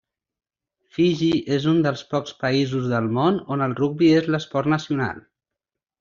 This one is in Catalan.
Fiji és un dels pocs països del món on el rugbi és l'esport nacional.